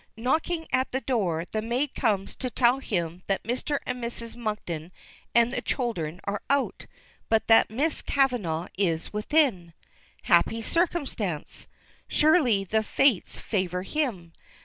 Knocking at the door, the maid comes to tell him that Mr. and Mrs. Monkton and the children are out, but that Miss Kavanagh is within. Happy circumstance! Surely the fates favor him.